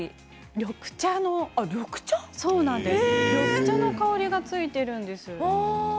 緑茶の香りがついているんです。